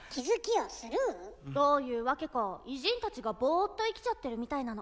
どういうわけか偉人たちがボーっと生きちゃってるみたいなの。